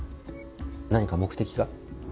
何か目的が？